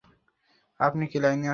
আপনি কি লাইনে আছেন?